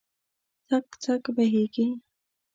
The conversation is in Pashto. څک، څک بهیږې